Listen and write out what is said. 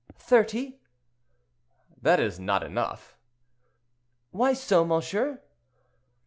"Thirty." "That is not enough." "Why so, monsieur?"